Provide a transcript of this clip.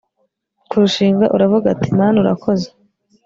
kurushinga uravuga uti mana urakoze